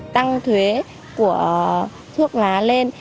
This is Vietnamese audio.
tăng thuế của thuốc lá lên